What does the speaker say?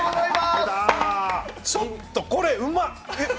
ちょっとこれ、うまっ！